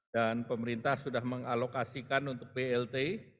dan pemerintah sudah mengalokasikan untuk plt